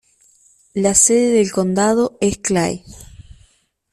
La sede del condado es Clay.